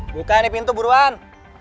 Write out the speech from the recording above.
buka nih pintu buruan